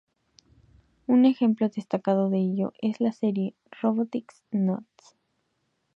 Un ejemplo destacado de ello es la serie "Robotics; Notes".